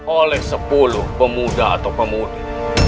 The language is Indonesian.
oleh sepuluh pemuda atau pemudi